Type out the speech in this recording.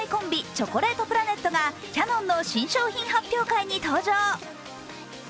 チョコレートプラネットがキヤノンの新製品発表会に登場。